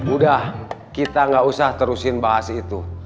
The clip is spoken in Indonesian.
udah kita gak usah terusin bahas itu